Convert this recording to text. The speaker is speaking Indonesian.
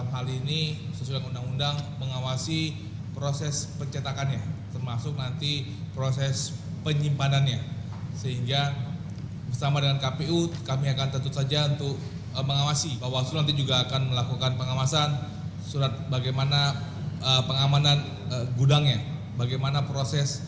hingga screening siapa saja yang bertugas di area produksi